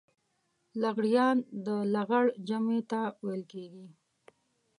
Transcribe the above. لغړيان د لغړ جمع ته ويل کېږي.